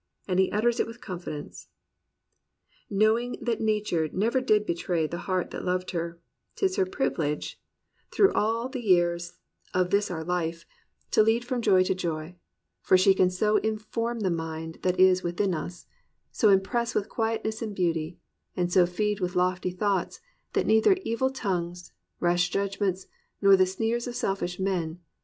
And he utters it with confidence, "Knowing that Nature never did betray The heart that loved her; 'tis her privilege, 214 THE RECOVERY OF JOY Through all the years of this our life, to lead From joy to joy: for she can so inform The mind that is within us, so impress With quietness and beauty, and so feed With lofty thoughts, that neither evil tongues. Rash judgments, nor the sneers of selfish men.